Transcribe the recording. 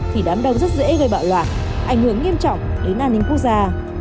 thì đám đông rất dễ gây bạo loạn ảnh hưởng nghiêm trọng đến an ninh quốc gia